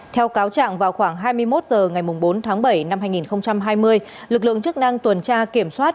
theo cáo trạng vào khoảng hai mươi một h ngày bốn tháng bảy năm hai nghìn hai mươi lực lượng chức năng tuần tra kiểm soát